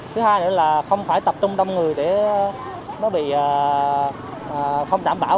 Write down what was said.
thứ hai nữa là không phải tập trung đông người để nó bị không đảm bảo